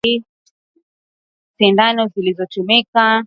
Kutumia sindano zilizotumika kwa matibabu